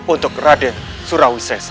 untuk raden surawisesa